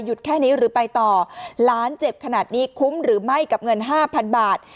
แค่นี้หรือไปต่อหลานเจ็บขนาดนี้คุ้มหรือไม่กับเงินห้าพันบาท